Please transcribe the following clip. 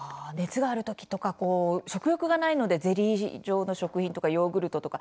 熱があるときは食欲がないのでゼリー状の食品とかヨーグルト